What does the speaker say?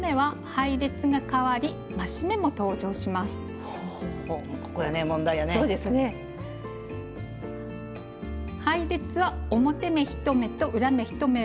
配列は表目１目と裏目